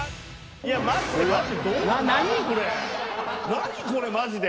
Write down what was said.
何これマジで。